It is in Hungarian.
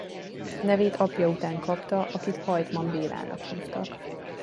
Nevét apja után kapta akit Hajtman Bélának hívtak.